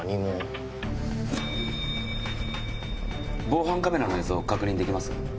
防犯カメラの映像確認できます？